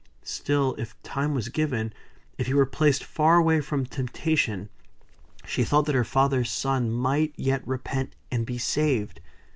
Still, if time was given if he were placed far away from temptation, she thought that her father's son might yet repent, and be saved.